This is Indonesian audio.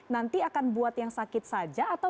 nanti akan buat yang sakit saja atau